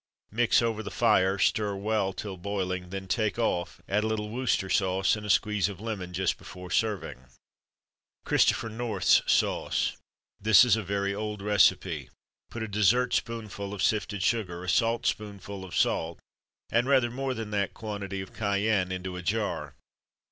Mix over the fire, stir well till boiling, then take off, add a little Worcester sauce, and a squeeze of lemon, just before serving. Christopher North's Sauce. This is a very old recipe. Put a dessert spoonful of sifted sugar, a salt spoonful of salt, and rather more than that quantity of cayenne, into a jar.